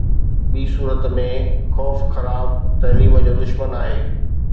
ٻي صورت ۾، خوف خراب تعليم جو دشمن آهي